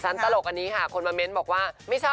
อย่างเงี้ยก็เข้าใจได้ว่าทำไมพี่เรนนี่อารมณ์เสียสุด